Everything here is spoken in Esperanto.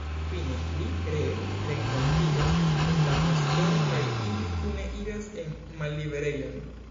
Fine li ree renkontiĝas kun la pastoro kaj ili kune iras en malliberejon.